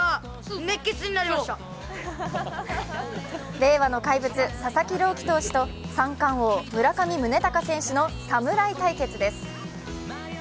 令和の怪物佐々木朗希投手と三冠王・村上宗隆選手の侍対決です。